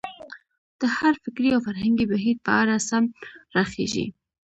د هر فکري او فرهنګي بهیر په اړه سم راخېژي.